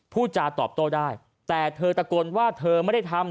พูดจาตอบโต้ได้แต่เธอตะโกนว่าเธอไม่ได้ทำ